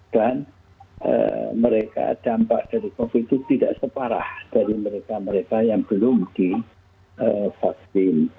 dan dampak dari covid sembilan belas itu tidak separah dari mereka mereka yang belum divaksin